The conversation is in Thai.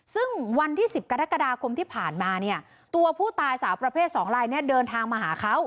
ซึ่งวันที่๑๐กรกฎาคมที่ผ่านมาเนี่ยตัวผู้ตายสาวประเภท๒ลายเนี่ยเดินทางมาหาเขา